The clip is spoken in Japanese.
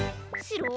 しろ？